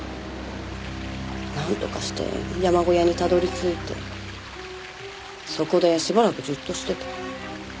なんとかして山小屋にたどり着いてそこでしばらくじっとしてた。